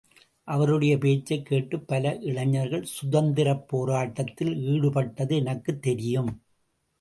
அவருடைய பேச்சைக் கேட்டுப் பல இளைஞர்கள் சுதந்திரப் போராட்டத்தில் ஈடுபட்டது எனக்குத் தெரியும்.